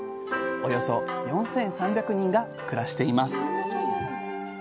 およそ４，３００人が暮らしています。